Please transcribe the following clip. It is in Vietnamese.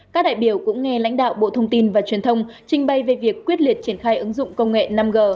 các đại biểu cũng nghe lãnh đạo bộ thông tin và truyền thông trình bày về việc quyết liệt triển khai ứng dụng công nghệ năm g